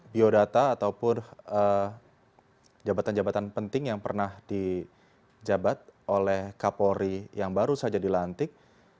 biodata ataupun jabatan jabatan penting yang pernah dijabat oleh kapolri yang baru saja dilantik